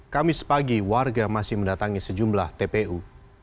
kamis pagi warga masih mendatangi sejumlah tpu